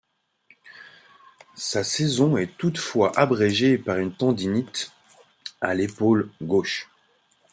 Sa saison est toutefois abrégée par une tendinite à l'épaule gauche.